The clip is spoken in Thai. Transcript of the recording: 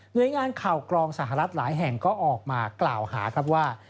โดยงานข่าวกรองสหรัฐหลายแห่งก็ออกมากล่าวหาครับว่า